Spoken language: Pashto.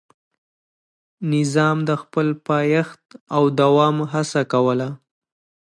نظام د خپل پایښت او دوام هڅه کوله.